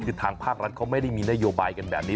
คือทางภาครัฐเขาไม่ได้มีนโยบายกันแบบนี้